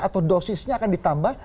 atau dosisnya akan ditambah